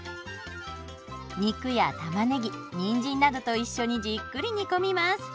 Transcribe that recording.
肉やたまねぎにんじんなどと一緒にじっくり煮込みます。